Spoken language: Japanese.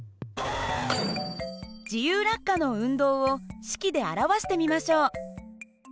自由落下の運動を式で表してみましょう。